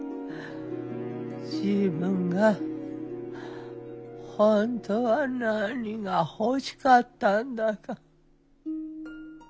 自分が本当は何が欲しかったんだか。